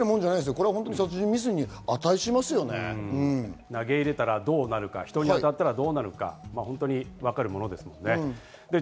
これは殺投げ入れたらどうなるか、人に当たったらどうなるか、本当にわかるものですよね。